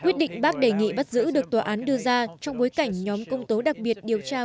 quyết định bác đề nghị bắt giữ được tòa án đưa ra trong bối cảnh nhóm công tố đặc biệt điều tra vụ bê bối